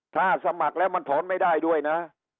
ถ้าสมัครแล้วมันถอนไม่ได้ด้วยนะ